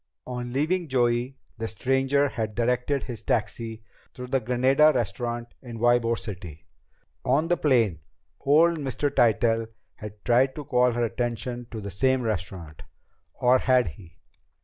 On leaving Joey, the stranger had directed his taxi to the Granada Restaurant in Ybor City! On the plane, old Mr. Tytell had tried to call her attention to the same restaurant or had he?